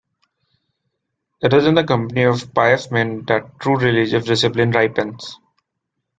It is in the company of pious men that true religious discipline ripens.